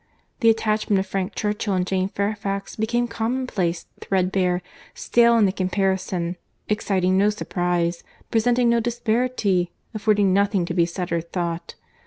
—The attachment of Frank Churchill and Jane Fairfax became commonplace, threadbare, stale in the comparison, exciting no surprize, presenting no disparity, affording nothing to be said or thought.